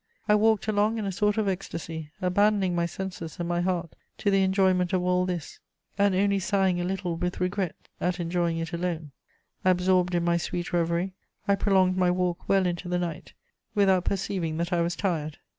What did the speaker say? I walked along in a sort of ecstasy, abandoning my senses and my heart to the enjoyment of all this, and only sighing a little with regret at enjoying it alone. Absorbed in my sweet reverie, I prolonged my walk well into the night, without perceiving that I was tired.